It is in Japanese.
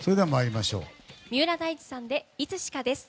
三浦大知さんで「いつしか」です。